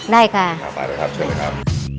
ได้ค่ะไปเลยครับเชิญเลยครับ